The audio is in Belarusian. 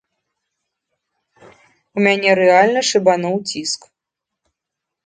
У мяне рэальна шыбануў ціск.